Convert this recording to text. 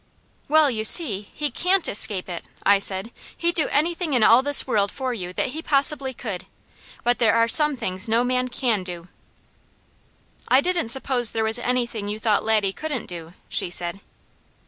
"Well, you see, he CAN'T escape it," I said. "He'd do anything in all this world for you that he possibly could; but there are some things no man CAN do." "I didn't suppose there was anything you thought Laddie couldn't do," she said.